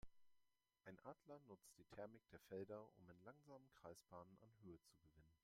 Ein Adler nutzt die Thermik der Felder, um in langsamen Kreisbahnen an Höhe zu gewinnen.